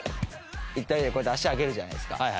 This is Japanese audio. こうやって足上げるじゃないですか。